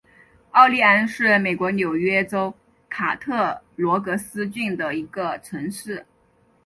奥利安是美国纽约州卡特罗格斯郡的一个城市。